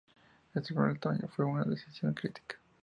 Este problema del tamaño fue una decisión crítica.